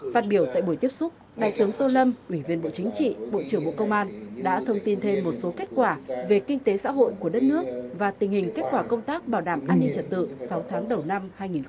phát biểu tại buổi tiếp xúc đại tướng tô lâm ủy viên bộ chính trị bộ trưởng bộ công an đã thông tin thêm một số kết quả về kinh tế xã hội của đất nước và tình hình kết quả công tác bảo đảm an ninh trật tự sáu tháng đầu năm hai nghìn hai mươi ba